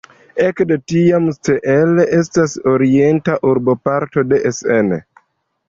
Ekde tiam Steele estas orienta urboparto de Essen.